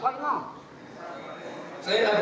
saya ada jalan keluar yang mulia